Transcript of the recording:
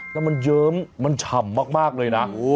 แล้วมันเยิ้มมันฉ่ำมากเลยนะ